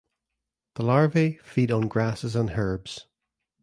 The larvae feed on grasses and herbs.